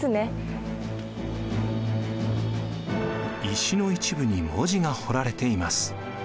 石の一部に文字が彫られています。